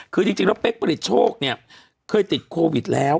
คือจริงแล้วเป๊กผลิตโชคเนี่ยเคยติดโควิดแล้ว